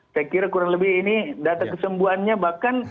saya kira kurang lebih ini data kesembuhannya bahkan